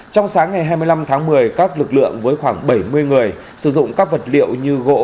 trong sáng ngày hai mươi năm tháng một mươi các lực lượng với khoảng bảy mươi người sử dụng các vật liệu như gỗ